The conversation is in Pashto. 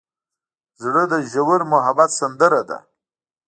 زړه د ژور محبت سندره ده.